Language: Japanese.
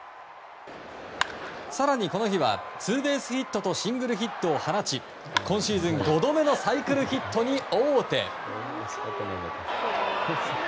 更にこの日はツーベースヒットとシングルヒットを放ち今シーズン５度目のサイクルヒットに王手。